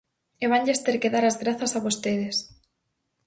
E vanlles ter que dar as grazas a vostedes.